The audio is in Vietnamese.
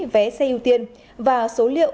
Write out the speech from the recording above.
vé xe ưu tiên và số liệu